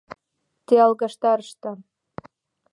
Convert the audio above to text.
Те алгаштарышда!..